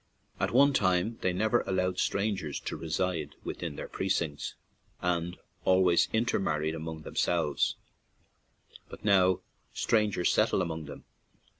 At one time they never allowed strangers to reside within their precincts, and al ways intermarried among themselves, but now strangers settle among them.